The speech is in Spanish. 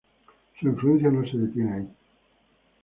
Su influencia no se detiene allí.